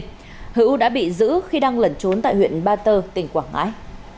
huỳnh công hữu đã bị giữ khi đang lẩn trốn tại huyện ba tơ tỉnh quảng ngãi